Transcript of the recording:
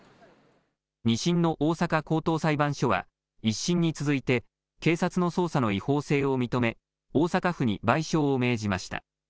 ２審の大阪高等裁判所は、１審に続いて警察の捜査の違法性を認め、大阪府に賠償を命じました。